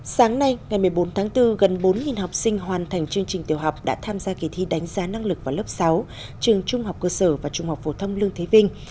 sáng nay ngày một mươi bốn tháng bốn gần bốn học sinh hoàn thành chương trình tiểu học đã tham gia kỳ thi đánh giá năng lực vào lớp sáu trường trung học cơ sở và trung học phổ thông lương thế vinh